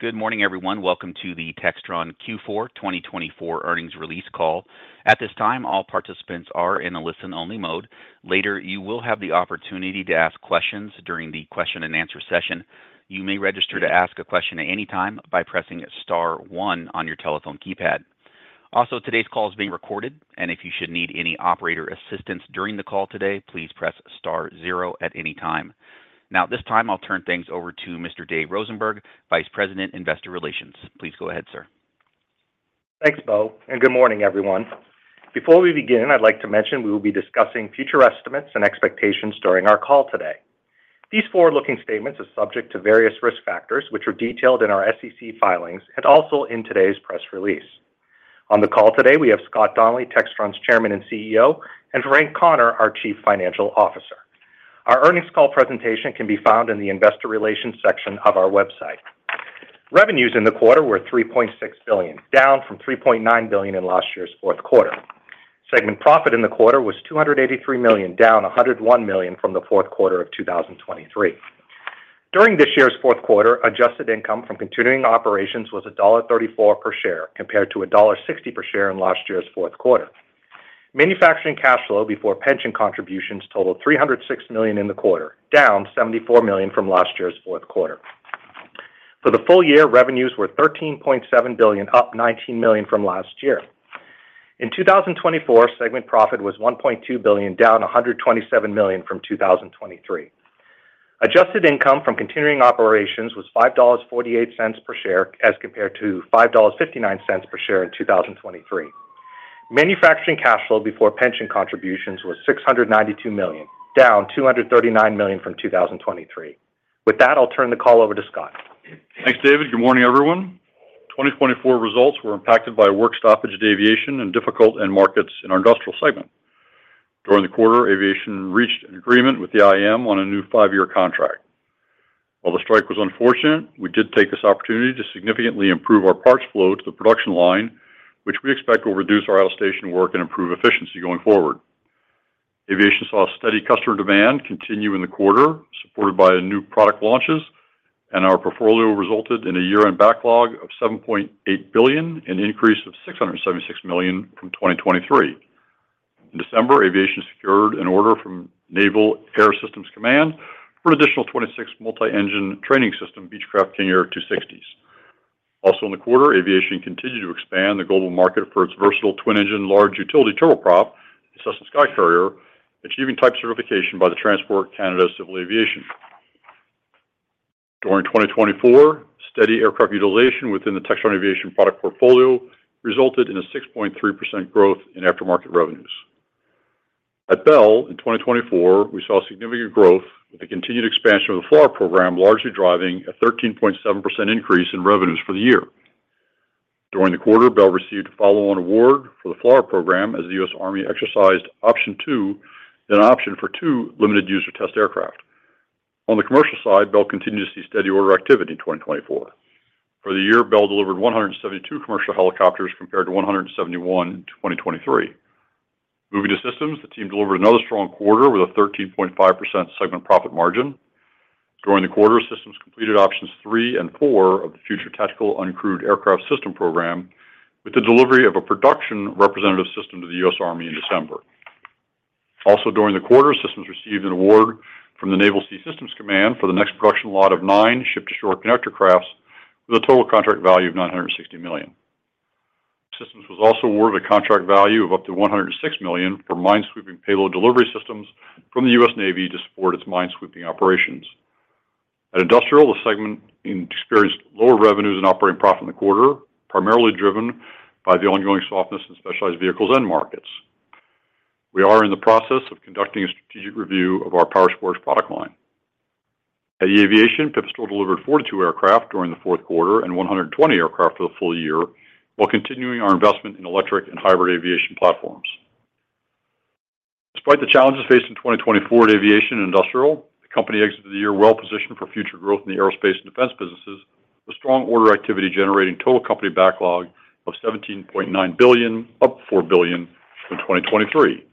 Good morning, everyone. Welcome to the Textron Q4 2024 earnings release call. At this time, all participants are in a listen-only mode. Later, you will have the opportunity to ask questions during the question-and-answer session. You may register to ask a question at any time by pressing star one on your telephone keypad. Also, today's call is being recorded, and if you should need any operator assistance during the call today, please press star zero at any time. Now, at this time, I'll turn things over to Mr. Dave Rosenberg, Vice President, Investor Relations. Please go ahead, sir. Thanks, Bo, and good morning, everyone. Before we begin, I'd like to mention we will be discussing future estimates and expectations during our call today. These forward-looking statements are subject to various risk factors, which are detailed in our SEC filings and also in today's press release. On the call today, we have Scott Donnelly, Textron's Chairman and CEO, and Frank Connor, our Chief Financial Officer. Our earnings call presentation can be found in the Investor Relations section of our website. Revenues in the quarter were $3.6 billion, down from $3.9 billion in last year's fourth quarter. Segment profit in the quarter was $283 million, down $101 million from the fourth quarter of 2023. During this year's fourth quarter, adjusted income from continuing operations was $1.34 per share, compared to $1.60 per share in last year's fourth quarter. Manufacturing cash flow before pension contributions totaled $306 million in the quarter, down $74 million from last year's fourth quarter. For the full year, revenues were $13.7 billion, up $19 million from last year. In 2024, segment profit was $1.2 billion, down $127 million from 2023. Adjusted income from continuing operations was $5.48 per share, as compared to $5.59 per share in 2023. Manufacturing cash flow before pension contributions was $692 million, down $239 million from 2023. With that, I'll turn the call over to Scott. Thanks, David. Good morning, everyone. 2024 results were impacted by a work stoppage of Aviation and difficult end markets in our Industrial segment. During the quarter, Aviation reached an agreement with the IAM on a new five-year contract. While the strike was unfortunate, we did take this opportunity to significantly improve our parts flow to the production line, which we expect will reduce our out-of-station work and improve efficiency going forward. Aviation saw steady customer demand continue in the quarter, supported by new product launches, and our portfolio resulted in a year-end backlog of $7.8 billion, an increase of $676 million from 2023. In December, Aviation secured an order from Naval Air Systems Command for an additional 26 Multi-Engine Training System Beechcraft King Air 260s. Also, in the quarter, Aviation continued to expand the global market for its versatile twin-engine large utility turboprop, the Cessna SkyCourier, achieving type certification by the Transport Canada Civil Aviation. During 2024, steady aircraft utilization within the Textron Aviation product portfolio resulted in a 6.3% growth in aftermarket revenues. At Bell, in 2024, we saw significant growth with the continued expansion of the FLRAA program, largely driving a 13.7% increase in revenues for the year. During the quarter, Bell received a follow-on award for the FLRAA program as the U.S. Army exercised Option 2, an option for two limited-use or test aircraft. On the commercial side, Bell continued to see steady order activity in 2024. For the year, Bell delivered 172 commercial helicopters compared to 171 in 2023. Moving to systems, the team delivered another strong quarter with a 13.5% segment profit margin. During the quarter, Systems completed Options 3 and 4 of the Future Tactical Uncrewed Aircraft System program with the delivery of a production representative system to the U.S. Army in December. Also, during the quarter, Systems received an award from the Naval Sea Systems Command for the next production lot of nine Ship-to-Shore Connector crafts with a total contract value of $960 million. Systems was also awarded a contract value of up to $106 million for mine-sweeping payload delivery systems from the U.S. Navy to support its mine-sweeping operations. At Industrial, the segment experienced lower revenues and operating profit in the quarter, primarily driven by the ongoing softness in specialized vehicles and markets. We are in the process of conducting a strategic review of our Powersports product line. At eAviation, Pipistrel delivered 42 aircraft during the fourth quarter and 120 aircraft for the full year, while continuing our investment in electric and hybrid Aviation platforms. Despite the challenges faced in 2024 at Aviation and Industrial, the company exited the year well-positioned for future growth in the aerospace and defense businesses, with strong order activity generating total company backlog of $17.9 billion, up $4 billion from 2023.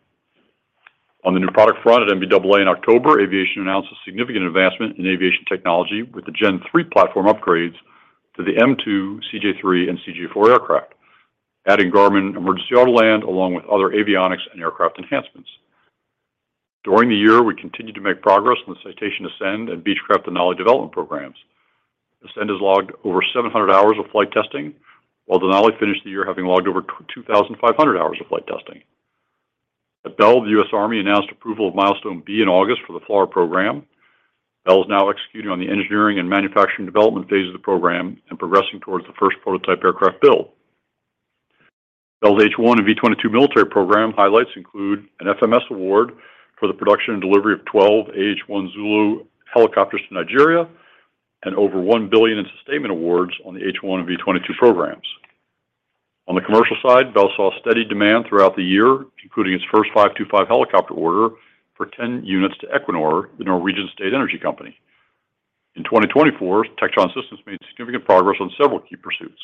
On the new product front, at NBAA in October, Aviation announced a significant advancement in Aviation technology with the Gen3 platform upgrades to the M2, CJ3, and CJ4 aircraft, adding Garmin Emergency Autoland along with other avionics and aircraft enhancements. During the year, we continued to make progress on the Citation Ascend and Beechcraft Denali development programs. Ascend has logged over 700 hours of flight testing, while Denali finished the year having logged over 2,500 hours of flight testing. At Bell, the U.S. Army announced approval of Milestone B in August for the FLRAA program. Bell is now executing on the engineering and manufacturing development phase of the program and progressing towards the first prototype aircraft build. Bell's H-1 and V-22 military program highlights include an FMS award for the production and delivery of 12 AH-1 Zulu helicopters to Nigeria and over $1 billion in sustainment awards on the H-1 and V-22 programs. On the commercial side, Bell saw steady demand throughout the year, including its first 525 helicopter order for 10 units to Equinor, the Norwegian state energy company. In 2024, Textron Systems made significant progress on several key pursuits.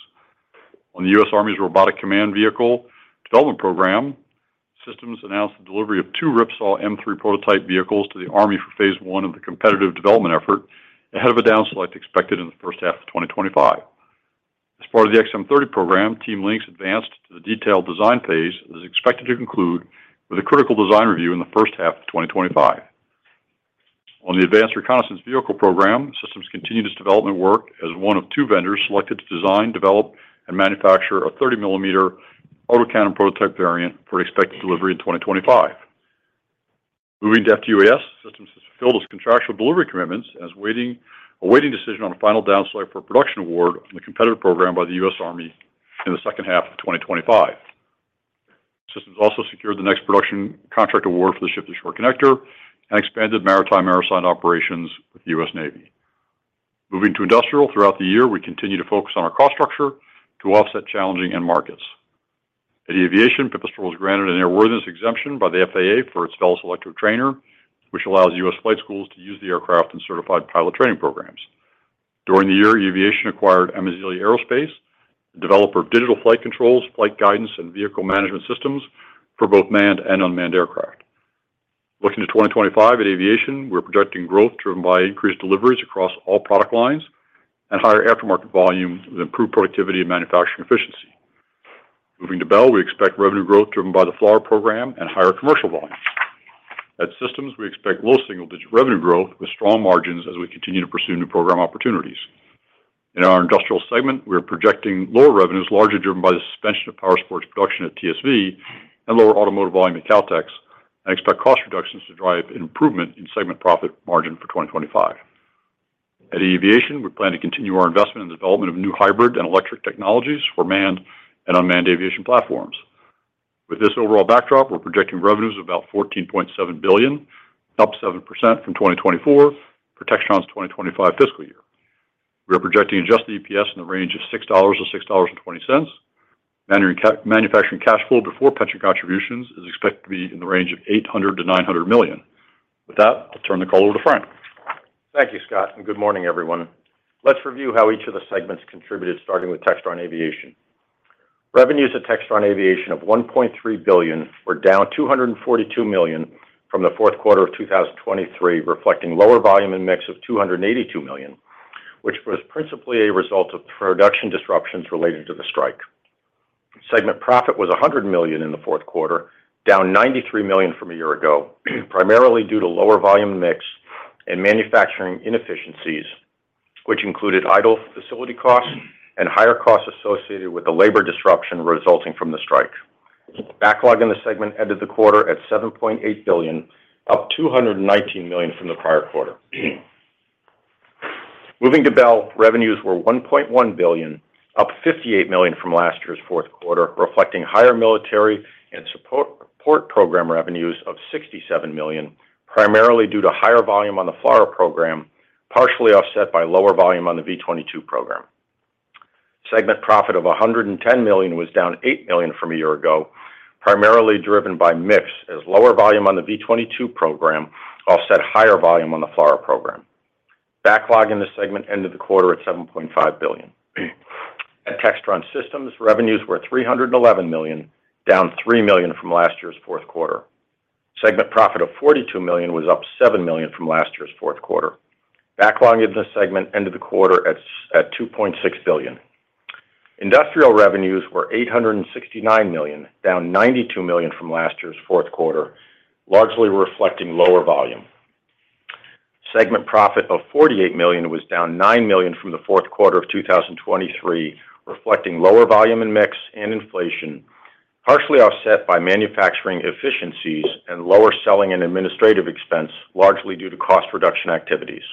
On the U.S. Army's Robotic Combat Vehicle development program, Systems announced the delivery of two Ripsaw M3 prototype vehicles to the Army for phase one of the competitive development effort, ahead of a downselect expected in the first half of 2025. As part of the XM30 program, Team Lynx advanced to the detailed design phase that is expected to conclude with a critical design review in the first half of 2025. On the Advanced Reconnaissance Vehicle program, Systems continued its development work as one of two vendors selected to design, develop, and manufacture a 30-millimeter autocannon prototype variant for expected delivery in 2025. Moving to FTUAS, Systems has fulfilled its contractual delivery commitments and is awaiting a decision on a final downselect for a production award on the competitive program by the U.S. Army in the second half of 2025. Systems also secured the next production contract award for the Ship-to-Shore Connector and expanded maritime operations with the U.S. Navy. Moving to Industrial, throughout the year, we continue to focus on our cost structure to offset challenging end markets. At eAviation, Pipistrel was granted an airworthiness exemption by the FAA for its Velis Electro trainer, which allows U.S. flight schools to use the aircraft in certified pilot training programs. During the year, eAviation acquired Amazilia Aerospace, a developer of digital flight controls, flight guidance, and vehicle management systems for both manned and unmanned aircraft. Looking to 2025 at Aviation, we're projecting growth driven by increased deliveries across all product lines and higher aftermarket volume with improved productivity and manufacturing efficiency. Moving to Bell, we expect revenue growth driven by the FLRAA program and higher commercial volume. At Systems, we expect low single-digit revenue growth with strong margins as we continue to pursue new program opportunities. In our Industrial segment, we are projecting lower revenues largely driven by the suspension of Powersports production at TSV and lower automotive volume at Kautex, and expect cost reductions to drive improvement in segment profit margin for 2025. At eAviation, we plan to continue our investment in the development of new hybrid and electric technologies for manned and unmanned Aviation platforms. With this overall backdrop, we're projecting revenues of about $14.7 billion, up 7% from 2024 for Textron's 2025 fiscal year. We are projecting adjusted EPS in the range of $6-$6.20. Manufacturing cash flow before pension contributions is expected to be in the range of $800 million-$900 million. With that, I'll turn the call over to Frank. Thank you, Scott, and good morning, everyone. Let's review how each of the segments contributed, starting with Textron Aviation. Revenues at Textron Aviation of $1.3 billion were down $242 million from the fourth quarter of 2023, reflecting lower volume and mix of $282 million, which was principally a result of production disruptions related to the strike. Segment profit was $100 million in the fourth quarter, down $93 million from a year ago, primarily due to lower volume mix and manufacturing inefficiencies, which included idle facility costs and higher costs associated with the labor disruption resulting from the strike. Backlog in the segment ended the quarter at $7.8 billion, up $219 million from the prior quarter. Moving to Bell, revenues were $1.1 billion, up $58 million from last year's fourth quarter, reflecting higher military and support program revenues of $67 million, primarily due to higher volume on the FLRAA program, partially offset by lower volume on the V-22 program. Segment profit of $110 million was down $8 million from a year ago, primarily driven by mix as lower volume on the V-22 program offset higher volume on the FLRAA program. Backlog in the segment ended the quarter at $7.5 billion. At Textron Systems, revenues were $311 million, down $3 million from last year's fourth quarter. Segment profit of $42 million was up $7 million from last year's fourth quarter. Backlog in the segment ended the quarter at $2.6 billion. Industrial revenues were $869 million, down $92 million from last year's fourth quarter, largely reflecting lower volume. Segment profit of $48 million was down $9 million from the fourth quarter of 2023, reflecting lower volume and mix and inflation, partially offset by manufacturing efficiencies and lower selling and administrative expense, largely due to cost reduction activities.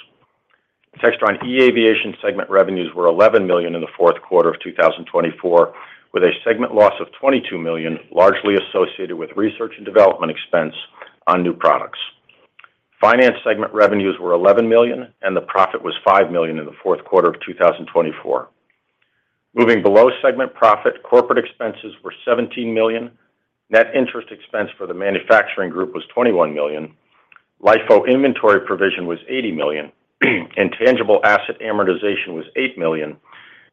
Textron eAviation segment revenues were $11 million in the fourth quarter of 2024, with a segment loss of $22 million, largely associated with research and development expense on new products. Finance segment revenues were $11 million, and the profit was $5 million in the fourth quarter of 2024. Moving below segment profit, corporate expenses were $17 million. Net interest expense for the manufacturing group was $21 million. LIFO inventory provision was $80 million. Intangible asset amortization was $8 million,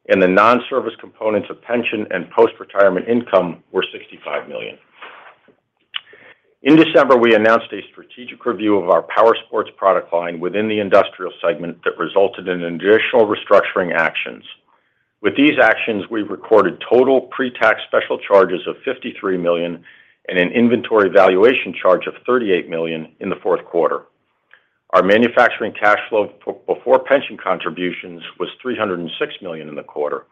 and the non-service components of pension and post-retirement income were $65 million. In December, we announced a strategic review of our Powersports product line within the Industrial segment that resulted in additional restructuring actions. With these actions, we recorded total pre-tax special charges of $53 million and an inventory valuation charge of $38 million in the fourth quarter. Our manufacturing cash flow before pension contributions was $306 million in the quarter.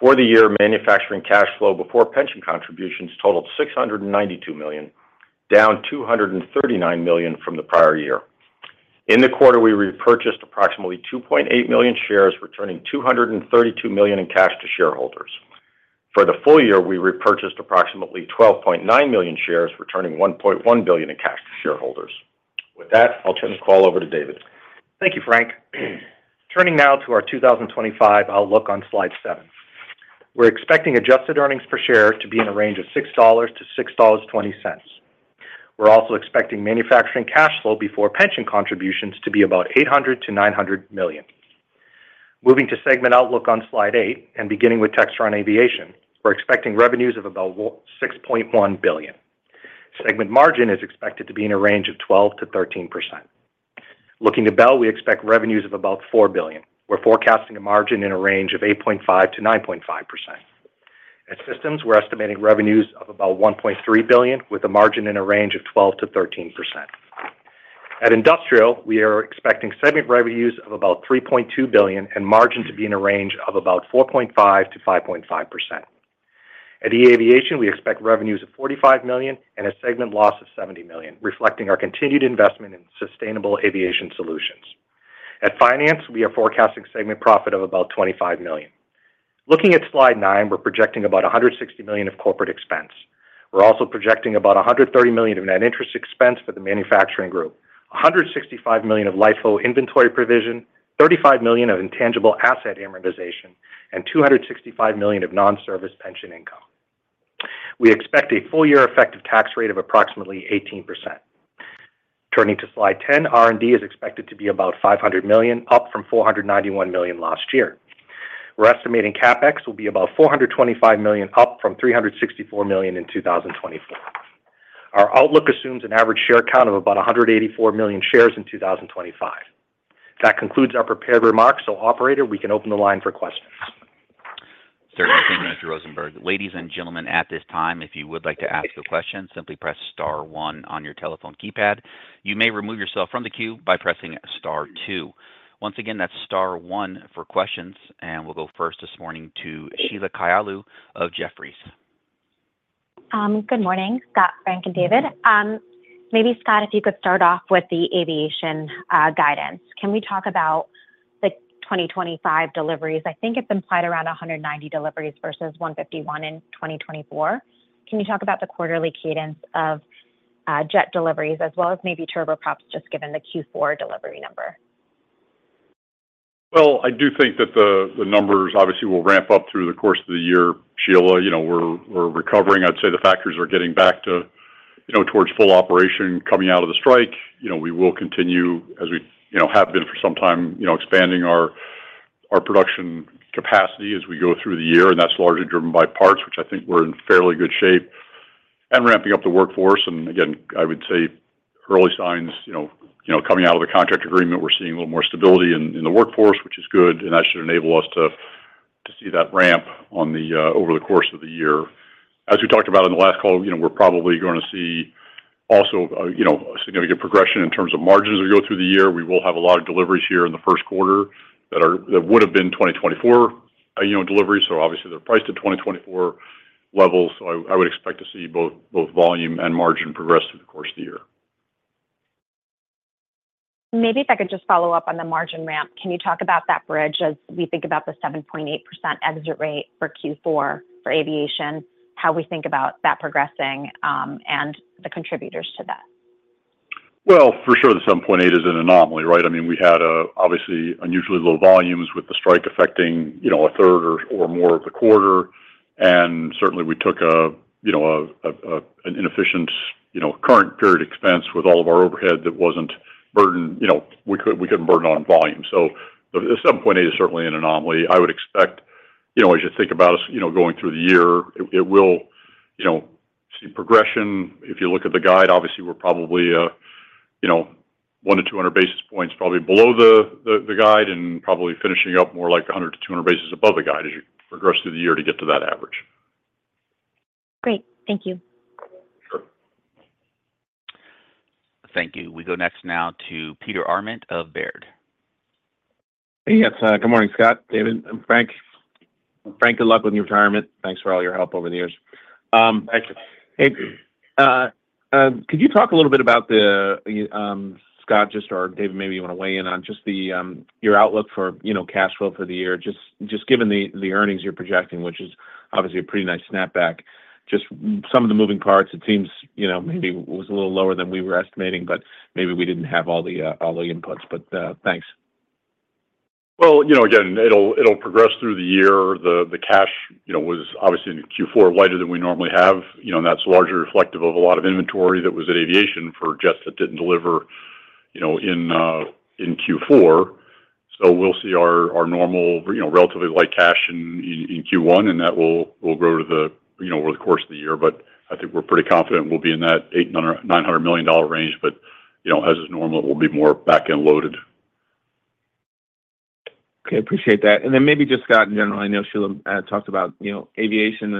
For the year, manufacturing cash flow before pension contributions totaled $692 million, down $239 million from the prior year. In the quarter, we repurchased approximately 2.8 million shares, returning $232 million in cash to shareholders. For the full year, we repurchased approximately 12.9 million shares, returning $1.1 billion in cash to shareholders. With that, I'll turn the call over to David. Thank you, Frank. Turning now to our 2025 outlook on slide seven. We're expecting adjusted earnings per share to be in a range of $6-$6.20. We're also expecting manufacturing cash flow before pension contributions to be about $800 million-$900 million. Moving to segment outlook on slide eight, and beginning with Textron Aviation, we're expecting revenues of about $6.1 billion. Segment margin is expected to be in a range of 12%-13%. Looking to Bell, we expect revenues of about $4 billion. We're forecasting a margin in a range of 8.5%-9.5%. At Systems, we're estimating revenues of about $1.3 billion, with a margin in a range of 12%-13%. At Industrial, we are expecting segment revenues of about $3.2 billion and margin to be in a range of about 4.5%-5.5%. At eAviation, we expect revenues of $45 million and a segment loss of $70 million, reflecting our continued investment in sustainable Aviation solutions. At Finance, we are forecasting segment profit of about $25 million. Looking at slide nine, we're projecting about $160 million of corporate expense. We're also projecting about $130 million of net interest expense for the manufacturing group, $165 million of LIFO inventory provision, $35 million of intangible asset amortization, and $265 million of non-service pension income. We expect a full-year effective tax rate of approximately 18%. Turning to slide 10, R&D is expected to be about $500 million, up from $491 million last year. We're estimating CapEx will be about $425 million, up from $364 million in 2024. Our outlook assumes an average share count of about 184 million shares in 2025. That concludes our prepared remarks. So, Operator, we can open the line for questions. Certainly, Mr. Rosenberg. Ladies and gentlemen, at this time, if you would like to ask a question, simply press star one on your telephone keypad. You may remove yourself from the queue by pressing star two. Once again, that's star one for questions. And we'll go first this morning to Sheila Kahyaoglu of Jefferies. Good morning, Scott, Frank, and David. Maybe Scott, if you could start off with the Aviation guidance. Can we talk about the 2025 deliveries? I think it's implied around 190 deliveries versus 151 in 2024. Can you talk about the quarterly cadence of jet deliveries, as well as maybe turboprops, just given the Q4 delivery number? I do think that the numbers obviously will ramp up through the course of the year. Sheila, we're recovering. I'd say the factors are getting back towards full operation coming out of the strike. We will continue, as we have been for some time, expanding our production capacity as we go through the year. And that's largely driven by parts, which I think we're in fairly good shape, and ramping up the workforce. And again, I would say early signs coming out of the contract agreement, we're seeing a little more stability in the workforce, which is good. And that should enable us to see that ramp over the course of the year. As we talked about in the last call, we're probably going to see also a significant progression in terms of margins as we go through the year. We will have a lot of deliveries here in the first quarter that would have been 2024 deliveries. So obviously, they're priced at 2024 levels. So I would expect to see both volume and margin progress through the course of the year. Maybe if I could just follow up on the margin ramp. Can you talk about that bridge as we think about the 7.8% exit rate for Q4 for Aviation, how we think about that progressing and the contributors to that? For sure, the 7.8% is an anomaly, right? I mean, we had obviously unusually low volumes with the strike affecting a third or more of the quarter. Certainly, we took an inefficient current period of expense with all of our overhead that we couldn't burden on volume. The 7.8% is certainly an anomaly. I would expect, as you think about us going through the year, it will see progression. If you look at the guide, obviously, we're probably 100 basis points-200 basis points below the guide and probably finishing up more like 100 basis points-200 basis points above the guide as you progress through the year to get to that average. Great. Thank you. Sure. Thank you. We go next now to Peter Arment of Baird. Hey, yes. Good morning, Scott, David, and Frank. Frank, good luck with your retirement. Thanks for all your help over the years. Thank you. Hey. Could you talk a little bit about Scott or David? Maybe you want to weigh in on just your outlook for cash flow for the year, just given the earnings you're projecting, which is obviously a pretty nice snapback. Just some of the moving parts, it seems maybe was a little lower than we were estimating, but maybe we didn't have all the inputs. But thanks. Again, it'll progress through the year. The cash was obviously in Q4 lighter than we normally have. That's largely reflective of a lot of inventory that was in Aviation for jets that didn't deliver in Q4. We'll see our normal relatively light cash in Q1, and that will grow over the course of the year. I think we're pretty confident we'll be in that $900 million range. As is normal, it will be more back-end loaded. Okay. Appreciate that. And then maybe just Scott in general. I know Sheila talked about Aviation.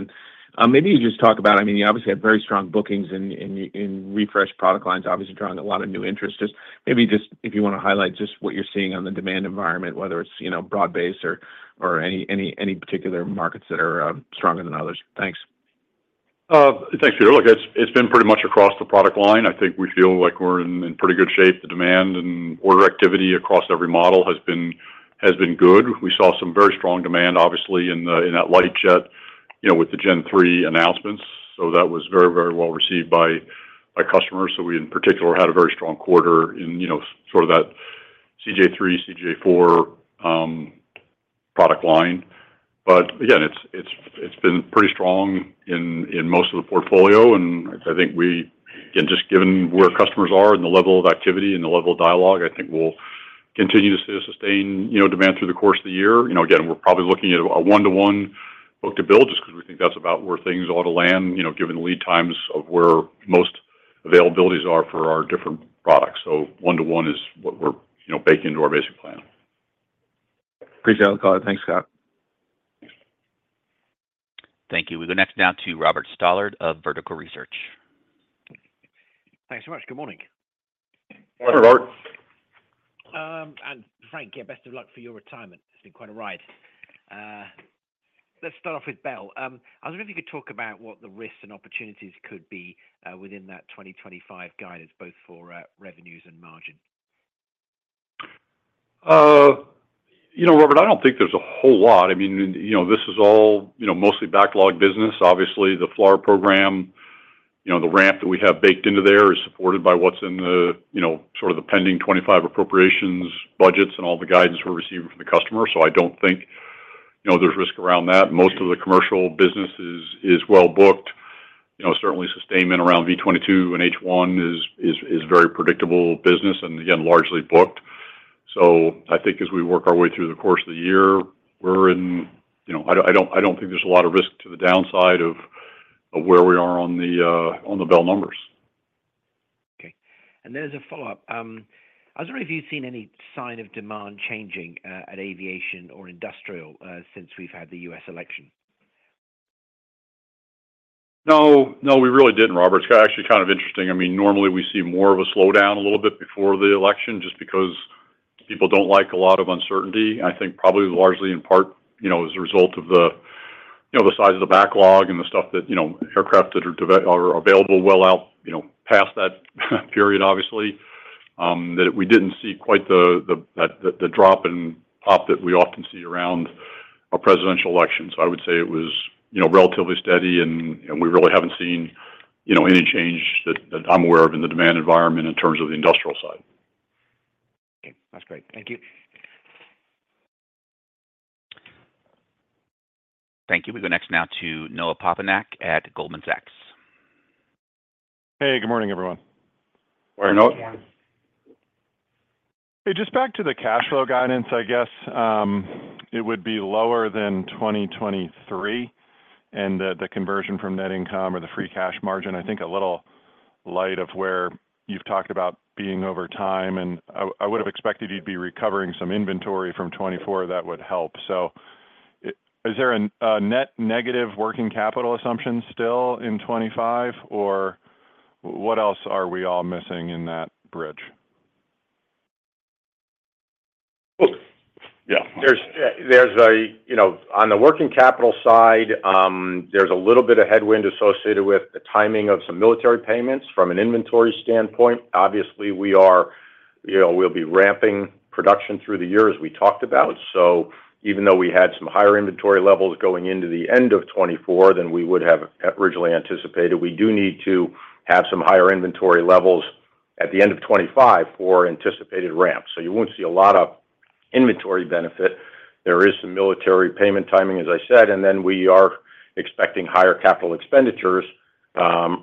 And maybe you just talk about, I mean, you obviously have very strong bookings in refreshed product lines, obviously drawing a lot of new interest. Just maybe just if you want to highlight just what you're seeing on the demand environment, whether it's broad-based or any particular markets that are stronger than others. Thanks. Thanks, Peter. Look, it's been pretty much across the product line. I think we feel like we're in pretty good shape. The demand and order activity across every model has been good. We saw some very strong demand, obviously, in that light jet with the Gen3 announcements. So that was very, very well received by customers. So we, in particular, had a very strong quarter in sort of that CJ3, CJ4 product line. But again, it's been pretty strong in most of the portfolio. And I think we, again, just given where customers are and the level of activity and the level of dialogue, I think we'll continue to sustain demand through the course of the year. Again, we're probably looking at a one-to-one book-to-build just because we think that's about where things ought to land, given the lead times of where most availabilities are for our different products. So one-to-one is what we're baking into our basic plan. Appreciate all the color. Thanks, Scott. Thank you. We go next now to Robert Stallard of Vertical Research. Thanks so much. Good morning. Morning, Robert. Frank, yeah, best of luck for your retirement. It's been quite a ride. Let's start off with Bell. I was wondering if you could talk about what the risks and opportunities could be within that 2025 guidance, both for revenues and margin. Robert, I don't think there's a whole lot. I mean, this is all mostly backlog business. Obviously, the FLRAA program, the ramp that we have baked into there is supported by what's in sort of the pending 25 appropriations, budgets, and all the guidance we're receiving from the customer. So I don't think there's risk around that. Most of the commercial business is well booked. Certainly, sustainment around V-22 and H-1 is very predictable business and, again, largely booked. So I think as we work our way through the course of the year, we're in. I don't think there's a lot of risk to the downside of where we are on the Bell numbers. Okay. And then as a follow-up, I was wondering if you've seen any sign of demand changing at Aviation or Industrial since we've had the U.S. election? No, no, we really didn't, Robert. It's actually kind of interesting. I mean, normally we see more of a slowdown a little bit before the election just because people don't like a lot of uncertainty. I think probably largely in part as a result of the size of the backlog and the stuff that aircraft that are available well out past that period, obviously, that we didn't see quite the drop and pop that we often see around a presidential election. So I would say it was relatively steady, and we really haven't seen any change that I'm aware of in the demand environment in terms of the Industrial side. Okay. That's great. Thank you. Thank you. We go next now to Noah Poponak at Goldman Sachs. Hey, good morning, everyone. Morning. Morning. Hey, just back to the cash flow guidance, I guess. It would be lower than 2023. And the conversion from net income or the free cash margin, I think a little light of where you've talked about being over time. And I would have expected you to be recovering some inventory from 2024. That would help. So is there a net negative working capital assumption still in 2025? Or what else are we all missing in that bridge? Yeah. On the working capital side, there's a little bit of headwind associated with the timing of some military payments from an inventory standpoint. Obviously, we'll be ramping production through the year, as we talked about. So even though we had some higher inventory levels going into the end of 2024 than we would have originally anticipated, we do need to have some higher inventory levels at the end of 2025 for anticipated ramp. So you won't see a lot of inventory benefit. There is some military payment timing, as I said. And then we are expecting higher capital expenditures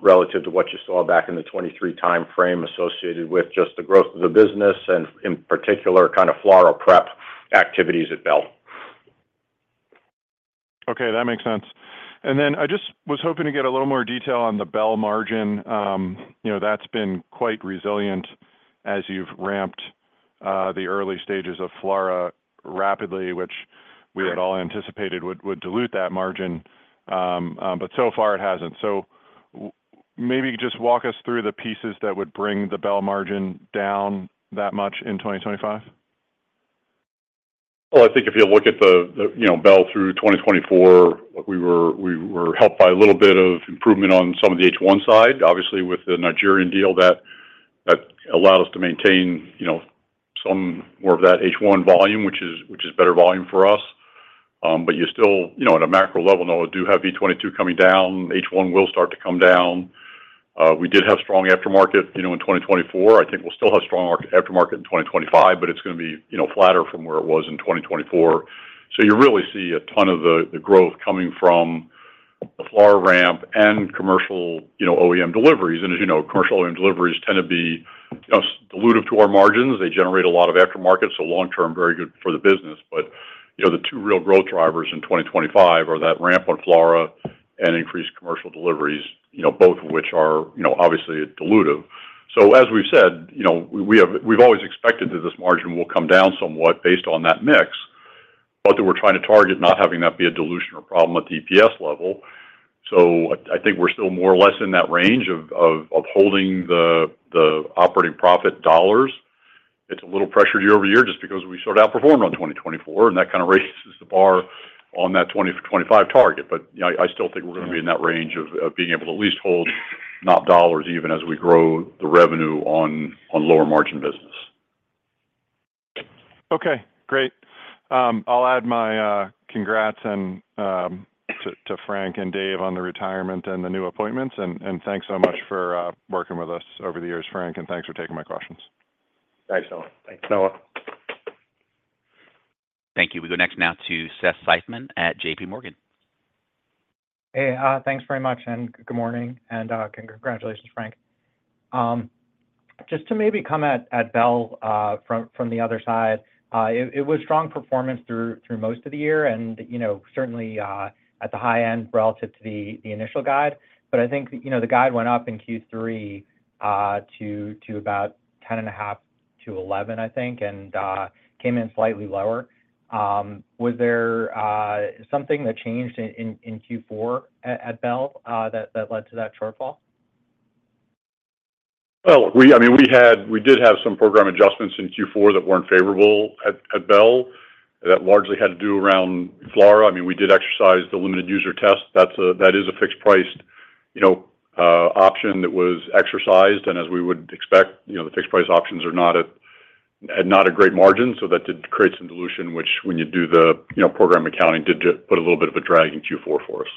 relative to what you saw back in the 2023 timeframe associated with just the growth of the business and, in particular, kind of FLRAA prep activities at Bell. Okay. That makes sense. And then I just was hoping to get a little more detail on the Bell margin. That's been quite resilient as you've ramped the early stages of FLRAA rapidly, which we had all anticipated would dilute that margin. But so far, it hasn't. So maybe just walk us through the pieces that would bring the Bell margin down that much in 2025. I think if you look at the Bell through 2024, we were helped by a little bit of improvement on some of the H-1 side, obviously, with the Nigerian deal that allowed us to maintain some more of that H-1 volume, which is better volume for us. But you still, at a macro level, do have V-22 coming down. H-1 will start to come down. We did have strong aftermarket in 2024. I think we'll still have strong aftermarket in 2025, but it's going to be flatter from where it was in 2024. So you really see a ton of the growth coming from the FLRAA ramp and commercial OEM deliveries. And as you know, commercial OEM deliveries tend to be dilutive to our margins. They generate a lot of aftermarket. So long-term, very good for the business. But the two real growth drivers in 2025 are that ramp on FLRAA and increased commercial deliveries, both of which are obviously dilutive. So as we've said, we've always expected that this margin will come down somewhat based on that mix, but that we're trying to target not having that be a dilution or problem at the EPS level. So I think we're still more or less in that range of holding the operating profit dollars. It's a little pressure year over year just because we sort of outperformed on 2024. And that kind of raises the bar on that 2025 target. But I still think we're going to be in that range of being able to at least hold operating profit dollars even as we grow the revenue on lower margin business. Okay. Great. I'll add my congrats to Frank and Dave on the retirement and the new appointments. And thanks so much for working with us over the years, Frank. And thanks for taking my questions. Thanks, Noah. Thank you. We go next now to Seth Seifman at JPMorgan. Hey, thanks very much. And good morning. And congratulations, Frank. Just to maybe come at Bell from the other side, it was strong performance through most of the year and certainly at the high end relative to the initial guide. But I think the guide went up in Q3 to about 10.5%-11%, I think, and came in slightly lower. Was there something that changed in Q4 at Bell that led to that shortfall? I mean, we did have some program adjustments in Q4 that weren't favorable at Bell that largely had to do around FLRAA. I mean, we did exercise the limited user test. That is a fixed-price option that was exercised. And as we would expect, the fixed-price options are not at a great margin. So that did create some dilution, which when you do the program accounting did put a little bit of a drag in Q4 for us.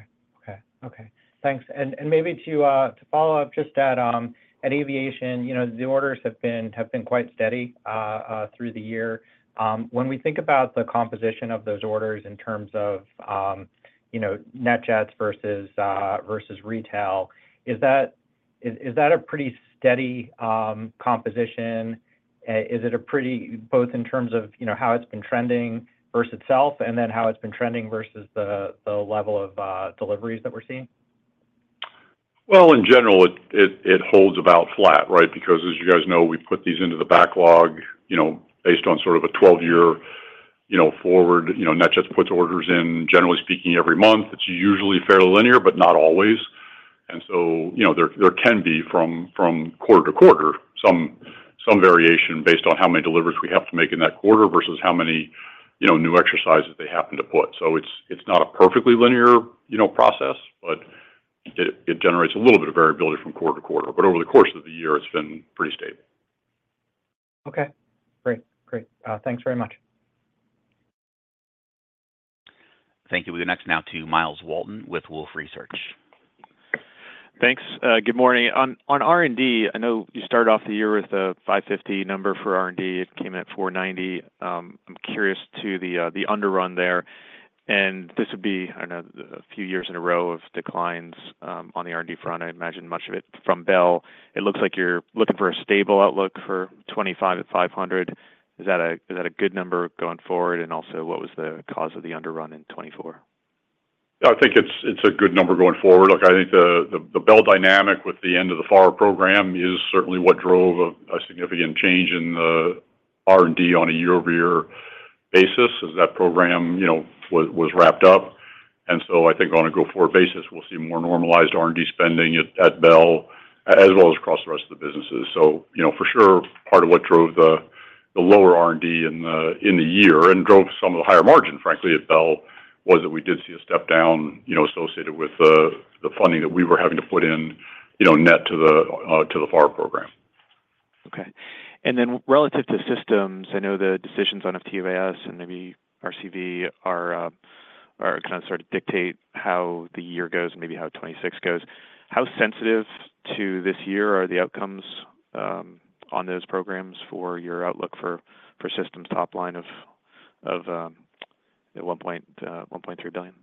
Okay. Okay. Thanks. And maybe to follow up just at Aviation, the orders have been quite steady through the year. When we think about the composition of those orders in terms of NetJets versus retail, is that a pretty steady composition? Is it a pretty both in terms of how it's been trending versus itself and then how it's been trending versus the level of deliveries that we're seeing? In general, it holds about flat, right? Because as you guys know, we put these into the backlog based on sort of a 12-year forward. NetJets put orders in, generally speaking, every month. It's usually fairly linear, but not always. And so there can be from quarter to quarter some variation based on how many deliveries we have to make in that quarter versus how many new orders they happen to put. So it's not a perfectly linear process, but it generates a little bit of variability from quarter to quarter. But over the course of the year, it's been pretty stable. Okay. Great. Great. Thanks very much. Thank you. We go next now to Myles Walton with Wolfe Research. Thanks. Good morning. On R&D, I know you started off the year with a $550 number for R&D. It came at $490 million. I'm curious to the underrun there. And this would be, I don't know, a few years in a row of declines on the R&D front. I imagine much of it from Bell. It looks like you're looking for a stable outlook for 2025 at $500 million. Is that a good number going forward? And also, what was the cause of the underrun in 2024? I think it's a good number going forward. Look, I think the Bell dynamic with the end of the FLRAA program is certainly what drove a significant change in the R&D on a year-over-year basis as that program was wrapped up, and so I think on a go-forward basis, we'll see more normalized R&D spending at Bell as well as across the rest of the businesses, so for sure, part of what drove the lower R&D in the year and drove some of the higher margin, frankly, at Bell was that we did see a step down associated with the funding that we were having to put in net to the FLRAA program. Okay. And then relative to Systems, I know the decisions on FTUAS and maybe RCV are kind of sort of dictate how the year goes, maybe how 2026 goes. How sensitive to this year are the outcomes on those programs for your outlook for Systems top line of $1.3 billion?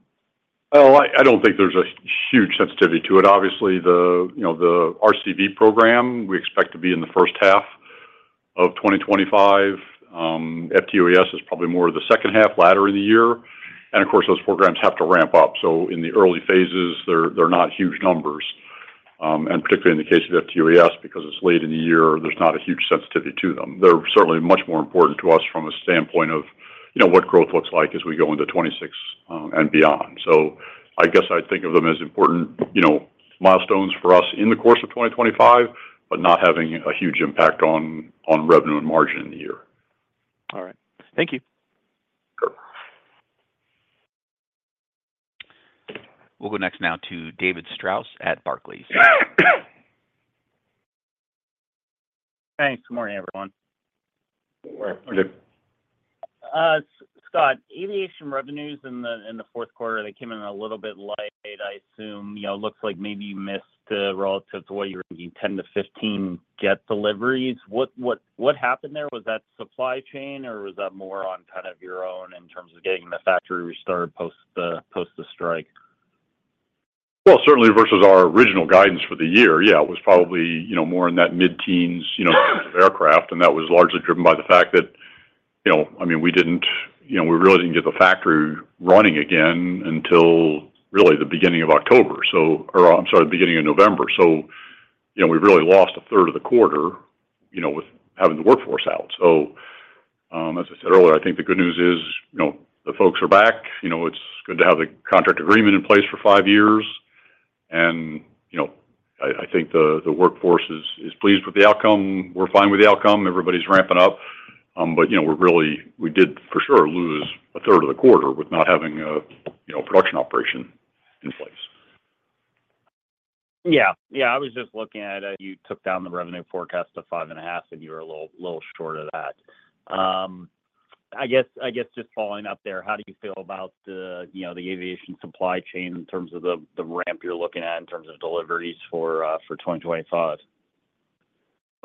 I don't think there's a huge sensitivity to it. Obviously, the RCV program, we expect to be in the first half of 2025. FTUAS is probably more of the second half, latter in the year. And of course, those programs have to ramp up. So in the early phases, they're not huge numbers. And particularly in the case of FTUAS, because it's late in the year, there's not a huge sensitivity to them. They're certainly much more important to us from a standpoint of what growth looks like as we go into 2026 and beyond. So I guess I'd think of them as important milestones for us in the course of 2025, but not having a huge impact on revenue and margin in the year. All right. Thank you. We'll go next now to David Strauss at Barclays. Thanks. Good morning, everyone. Good morning. I'm good. Scott, Aviation revenues in the fourth quarter, they came in a little bit light, I assume. Looks like maybe you missed relative to what you were thinking, 10-15 jet deliveries. What happened there? Was that supply chain, or was that more on kind of your own in terms of getting the factory restarted post the strike? Certainly versus our original guidance for the year, yeah, it was probably more in that mid-teens in terms of aircraft. That was largely driven by the fact that, I mean, we really didn't get the factory running again until really the beginning of October, so or I'm sorry, the beginning of November. We really lost a third of the quarter with having the workforce out. As I said earlier, I think the good news is the folks are back. It's good to have the contract agreement in place for five years. I think the workforce is pleased with the outcome. We're fine with the outcome. Everybody's ramping up. We did for sure lose a third of the quarter with not having a production operation in place. You took down the revenue forecast to five and a half, and you were a little short of that. I guess just following up there, how do you feel about the aviation supply chain in terms of the ramp you're looking at in terms of deliveries for 2025?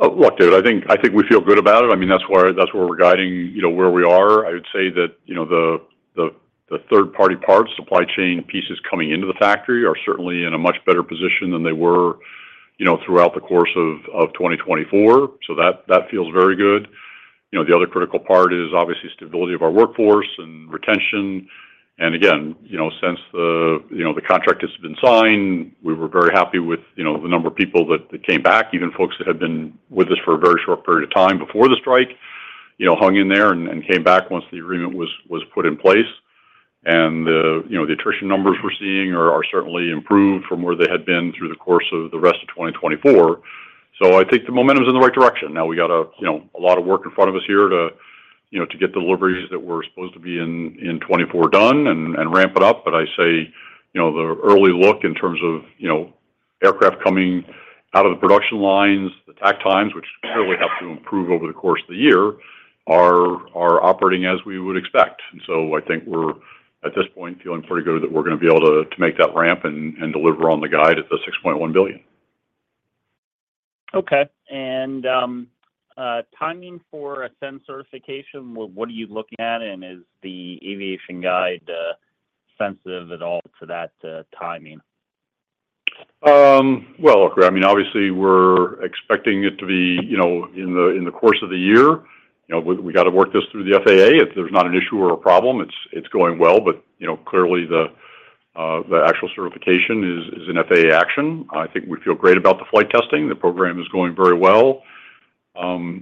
Look, David, I think we feel good about it. I mean, that's where we're guiding where we are. I would say that the third-party parts, supply chain pieces coming into the factory are certainly in a much better position than they were throughout the course of 2024. So that feels very good. The other critical part is obviously stability of our workforce and retention. And again, since the contract has been signed, we were very happy with the number of people that came back. Even folks that had been with us for a very short period of time before the strike hung in there and came back once the agreement was put in place. And the attrition numbers we're seeing are certainly improved from where they had been through the course of the rest of 2024. So I think the momentum is in the right direction. Now we got a lot of work in front of us here to get the deliveries that were supposed to be in 2024 done and ramp it up. But I say the early look in terms of aircraft coming out of the production lines, attack times, which clearly have to improve over the course of the year, are operating as we would expect. And so I think we're at this point feeling pretty good that we're going to be able to make that ramp and deliver on the guide at the $6.1 billion. Okay. And timing for a type certification, what are you looking at? And is the Aviation guidance sensitive at all to that timing? Well, look, I mean, obviously, we're expecting it to be in the course of the year. We got to work this through the FAA. If there's not an issue or a problem, it's going well. But clearly, the actual certification is an FAA action. I think we feel great about the flight testing. The program is going very well.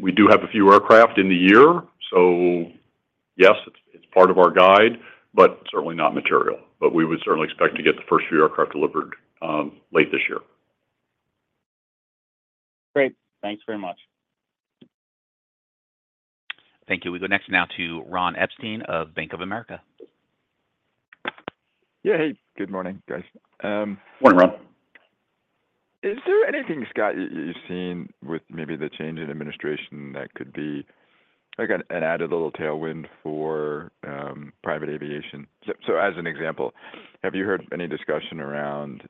We do have a few aircraft in the year. So yes, it's part of our guide, but certainly not material. But we would certainly expect to get the first few aircraft delivered late this year. Great. Thanks very much. Thank you. We go next now to Ron Epstein of Bank of America. Yeah. Hey. Good morning, guys. Morning, Ron. Is there anything, Scott, you've seen with maybe the change in administration that could be an added little tailwind for private aviation? So as an example, have you heard any discussion around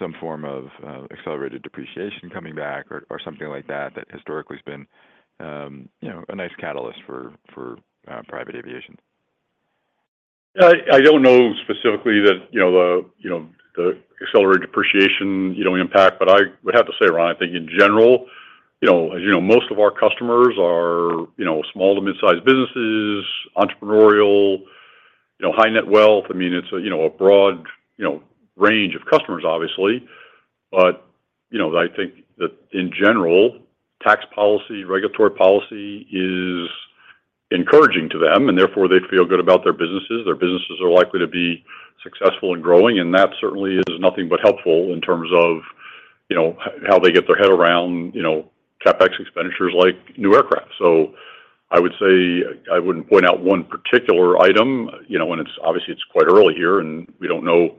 some form of accelerated depreciation coming back or something like that that historically has been a nice catalyst for private aviation? I don't know specifically that the accelerated depreciation impact, but I would have to say, Ron, I think in general, as you know, most of our customers are small to mid-sized businesses, entrepreneurial, high-net-worth. I mean, it's a broad range of customers, obviously. But I think that in general, tax policy, regulatory policy is encouraging to them. And therefore, they feel good about their businesses. Their businesses are likely to be successful and growing. And that certainly is nothing but helpful in terms of how they get their head around CapEx expenditures like new aircraft. So I would say I wouldn't point out one particular item. And obviously, it's quite early here, and we don't know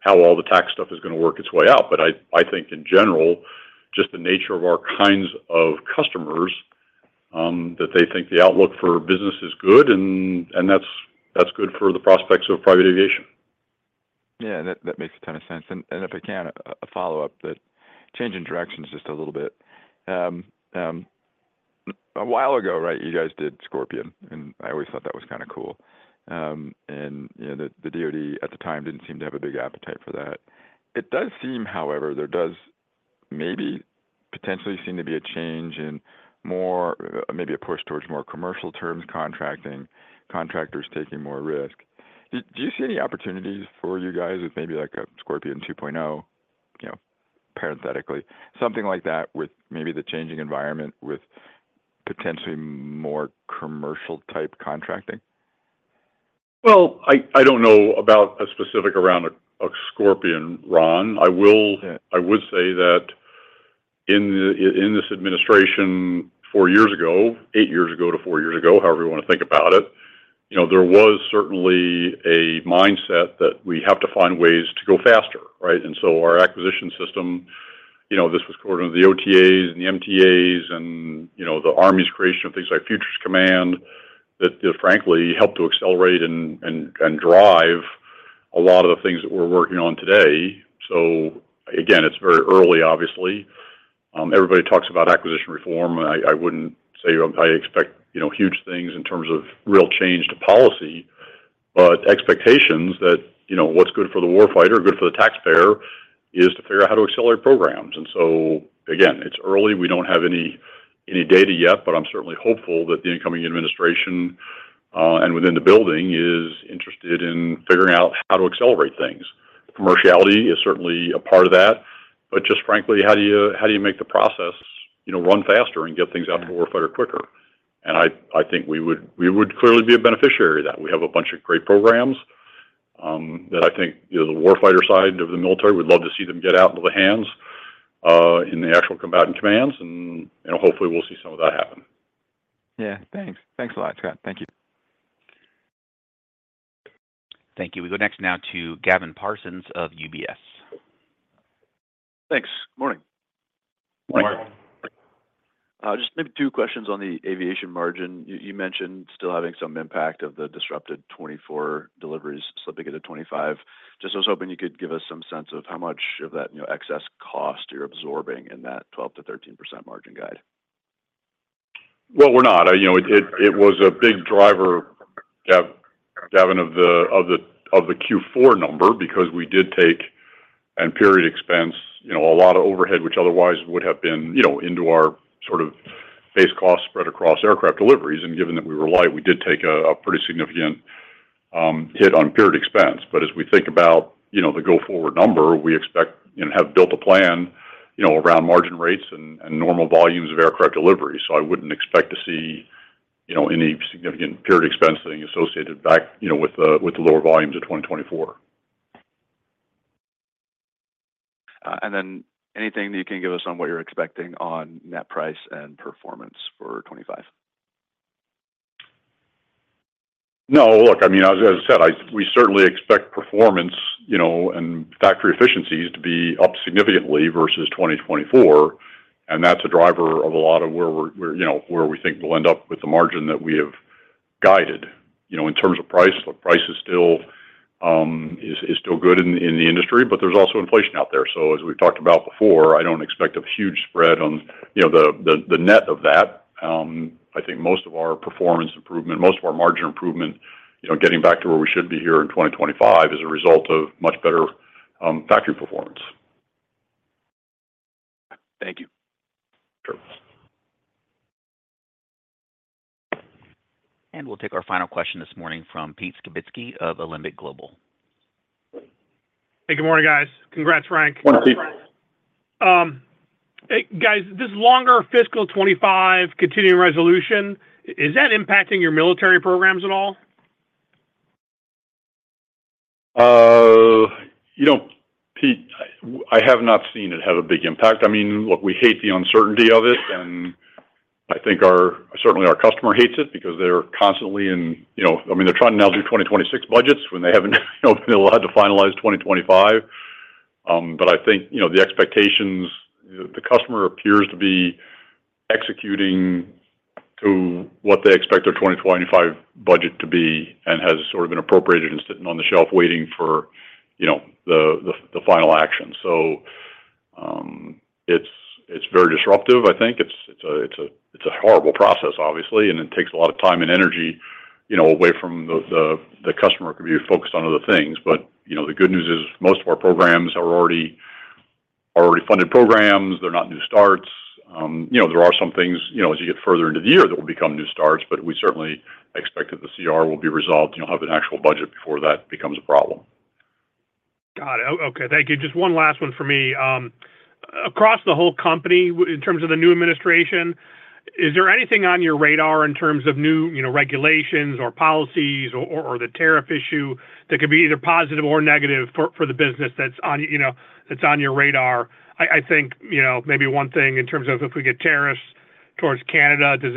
how all the tax stuff is going to work its way out. But I think in general, just the nature of our kinds of customers, that they think the outlook for business is good, and that's good for the prospects of private aviation. Yeah. That makes a ton of sense. And if I can, a follow-up, that change in direction is just a little bit. A while ago, right, you guys did Scorpion. And I always thought that was kind of cool. And the DoD at the time didn't seem to have a big appetite for that. It does seem, however, there does maybe potentially seem to be a change in maybe a push towards more commercial terms, contracting, contractors taking more risk. Do you see any opportunities for you guys with maybe a Scorpion 2.0, parenthetically, something like that with maybe the changing environment with potentially more commercial-type contracting? I don't know about a specific around a Scorpion, Ron. I would say that in this administration four years ago, eight years ago to four years ago, however you want to think about it, there was certainly a mindset that we have to find ways to go faster, right? And so our acquisition system, this was quarter of the OTAs and the MTAs and the Army's creation of things like Futures Command that frankly helped to accelerate and drive a lot of the things that we're working on today. So again, it's very early, obviously. Everybody talks about acquisition reform. I wouldn't say I expect huge things in terms of real change to policy, but expectations that what's good for the warfighter, good for the taxpayer, is to figure out how to accelerate programs. And so again, it's early. We don't have any data yet, but I'm certainly hopeful that the incoming administration and within the building is interested in figuring out how to accelerate things. Commerciality is certainly a part of that. But just frankly, how do you make the process run faster and get things out to the warfighter quicker? And I think we would clearly be a beneficiary of that. We have a bunch of great programs that I think the warfighter side of the military would love to see them get out into the hands of the actual combatant commands. And hopefully, we'll see some of that happen. Yeah. Thanks. Thanks a lot, Scott. Thank you. Thank you. We go next now to Gavin Parsons of UBS. Thanks. Good morning. Morning. Just maybe two questions on the Aviation margin. You mentioned still having some impact of the disrupted 2024 deliveries slipping into 2025. Just was hoping you could give us some sense of how much of that excess cost you're absorbing in that 12%-13% margin guide? Well, we're not. It was a big driver, Gavin, of the Q4 number because we did take a period expense a lot of overhead, which otherwise would have been into our sort of base cost spread across aircraft deliveries. And given that we were light, we did take a pretty significant hit on period expense. But as we think about the go-forward number, we expect and have built a plan around margin rates and normal volumes of aircraft delivery. So I wouldn't expect to see any significant period expense thing associated back with the lower volumes of 2024. Then anything that you can give us on what you're expecting on net price and performance for 2025? No. Look, I mean, as I said, we certainly expect performance and factory efficiencies to be up significantly versus 2024. And that's a driver of a lot of where we think we'll end up with the margin that we have guided. In terms of price, the price is still good in the industry, but there's also inflation out there. So as we've talked about before, I don't expect a huge spread on the net of that. I think most of our performance improvement, most of our margin improvement, getting back to where we should be here in 2025 is a result of much better factory performance. Thank you. Sure. We'll take our final question this morning from Pete Skibitski of Alembic Global. Hey, good morning, guys. Congrats, Frank. Morning, Pete. Hey, guys, this longer fiscal 2025 continuing resolution, is that impacting your military programs at all? Pete, I have not seen it have a big impact. I mean, look, we hate the uncertainty of it, and I think certainly our customer hates it because they're constantly in, I mean, they're trying to now do 2026 budgets when they haven't been allowed to finalize 2025, but I think the expectations, the customer appears to be executing to what they expect their 2025 budget to be and has sort of been appropriated and sitting on the shelf waiting for the final action, so it's very disruptive, I think. It's a horrible process, obviously, and it takes a lot of time and energy away from the customer could be focused on other things, but the good news is most of our programs are already funded programs. They're not new starts. There are some things as you get further into the year that will become new starts, but we certainly expect that the CR will be resolved. You'll have an actual budget before that becomes a problem. Got it. Okay. Thank you. Just one last one for me. Across the whole company, in terms of the new administration, is there anything on your radar in terms of new regulations or policies or the tariff issue that could be either positive or negative for the business that's on your radar? I think maybe one thing in terms of if we get tariffs towards Canada, does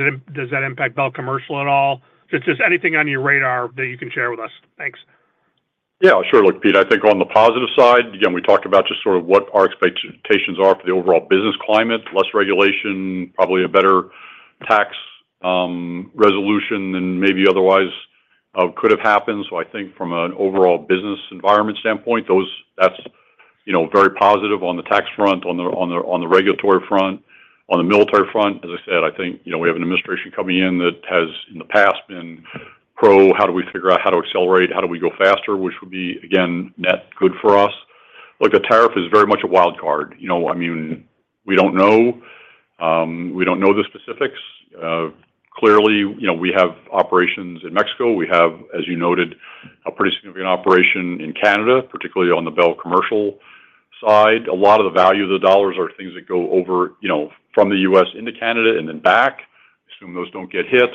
that impact Bell Commercial at all? Just anything on your radar that you can share with us. Thanks. Yeah. Sure. Look, Pete, I think on the positive side, again, we talked about just sort of what our expectations are for the overall business climate, less regulation, probably a better tax resolution than maybe otherwise could have happened. So I think from an overall business environment standpoint, that's very positive on the tax front, on the regulatory front, on the military front. As I said, I think we have an administration coming in that has in the past been pro, how do we figure out how to accelerate, how do we go faster, which would be, again, net good for us. Look, a tariff is very much a wild card. I mean, we don't know. We don't know the specifics. Clearly, we have operations in Mexico. We have, as you noted, a pretty significant operation in Canada, particularly on the Bell commercial side. A lot of the value of the dollars are things that go over from the U.S. into Canada and then back. Assume those don't get hit,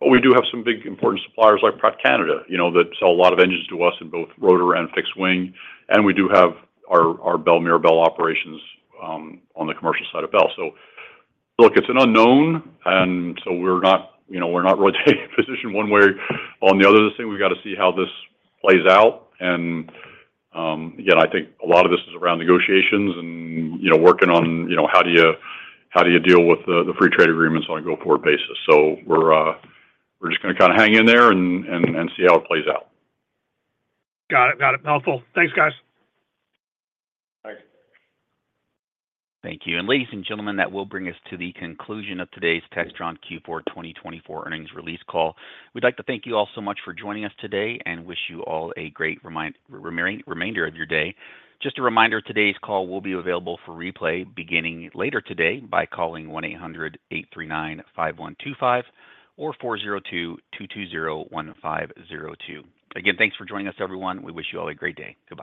but we do have some big important suppliers like Pratt Canada that sell a lot of engines to us in both rotor and fixed wing, and we do have our Bell Mirabel operations on the commercial side of Bell, so look, it's an unknown, and so we're not really positioned one way or the other. We've got to see how this plays out, and again, I think a lot of this is around negotiations and working on how do you deal with the free trade agreements on a go-forward basis, so we're just going to kind of hang in there and see how it plays out. Got it. Got it. Helpful. Thanks, guys. Thanks. Thank you. And ladies and gentlemen, that will bring us to the conclusion of today's Textron Q4 2024 earnings release call. We'd like to thank you all so much for joining us today and wish you all a great remainder of your day. Just a reminder, today's call will be available for replay beginning later today by calling 1-800-839-5125 or 402-220-1502. Again, thanks for joining us, everyone. We wish you all a great day. Goodbye.